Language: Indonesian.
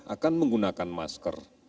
akan menggunakan masker